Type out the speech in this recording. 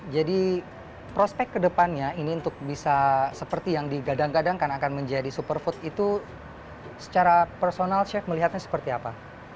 jadi prospek kedepannya ini untuk bisa seperti yang digadang gadangkan akan menjadi superfood itu secara personal chef melihatnya seperti apa